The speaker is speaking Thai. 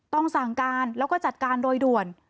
ต้องสั่งการแล้วก็จัดการโดยด่วน